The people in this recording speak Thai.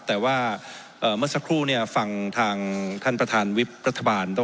แต่ว่าเมื่อสักครู่ฟังทางท่านประธานวิบรัฐบาล